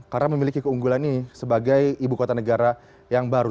karena memiliki keunggulan ini sebagai ibu kota negara yang baru